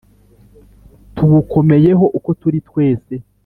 Tubukomeyeho uko turi twese